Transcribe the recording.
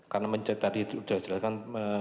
karena tadi sudah dijelaskan